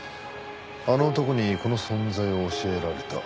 あの男にこの存在を教えられた？